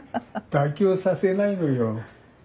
妥協させないのよ。